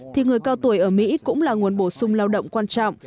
thì người cao tuổi ở mỹ cũng là nguồn bổ sung lao động quan trọng